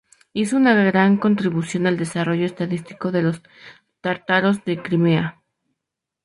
Hizo una gran contribución al desarrollo estadístico de los tártaros de Crimea.